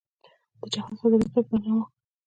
د جهاد فضيلت به يې بياناوه.